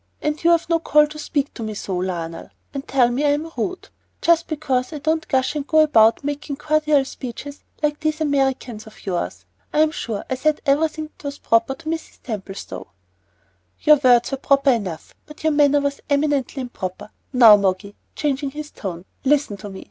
"And you've no call to speak to me so, Lionel, and tell me I am rude, just because I don't gush and go about making cordial speeches like these Americans of yours. I'm sure I said everything that was proper to Mrs. Templestowe." "Your words were proper enough, but your manner was eminently improper. Now, Moggy," changing his tone, "listen to me.